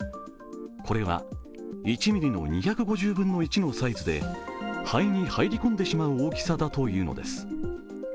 これは１ｍｍの２５０分の１のサイズで肺に入り込んでしまう大きさだというのです。